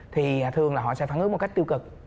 thì thường là họ sẽ phản ứng một cách tiêu cực